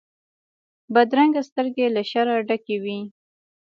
بدرنګه سترګې له شره ډکې وي